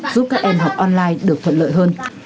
giúp các em học online được thuận lợi hơn